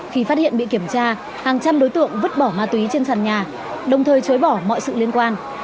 khi phát hiện bị kiểm tra hàng trăm đối tượng vứt bỏ ma túy trên sàn nhà đồng thời chối bỏ mọi sự liên quan